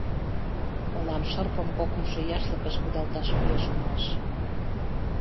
Мылам шырпым кокымшо яшлыкыш кудалташ кӱлеш улмаш.